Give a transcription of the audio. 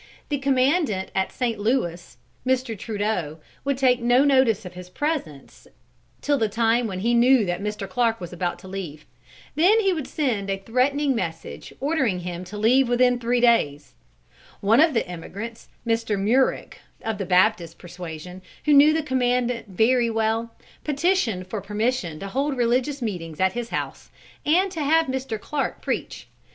The commandant at St. Louis, Mr. Trudeau, would take no notice of his presence till the time when he knew that Mr. Clark was about to leave. Then he would send a threatening message ordering him to leave within three days. One of the emigrants, Mr. Murich, of the Baptist persuasion, who knew the commandant very well, petitioned for permission to hold religious meetings at his house and to have Mr. Clark preach.